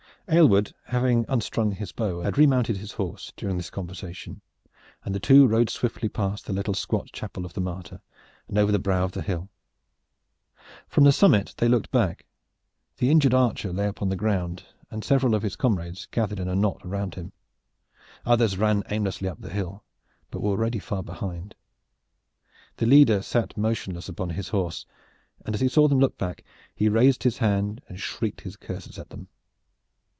Aylward, having unstrung his bow, had remounted his horse during this conversation, and the two rode swiftly past the little squat Chapel of the Martyr and over the brow of the hill. From the summit they looked back. The injured archer lay upon the ground, with several of his comrades gathered in a knot around him. Others ran aimlessly up the hill, but were already far behind. The leader sat motionless upon his horse, and as he saw them look back he raised his hand and shrieked his curses at them.